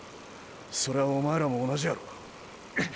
それはおまえらも同じやろう？